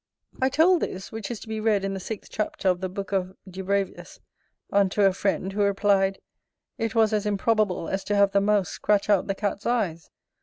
I told this, which is to be read in the sixth chapter of the book of Dubravius, unto a friend, who replied, "It was as improbable as to have the mouse scratch out the cat's eyes".